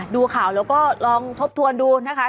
ดูข่าวแล้วก็ลองทบทวนดูนะคะ